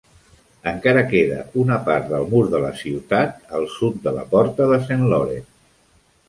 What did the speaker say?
Encara queda una part del mur de la ciutat al sud de la Porta de Saint Laurence.